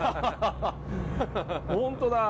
本当だ！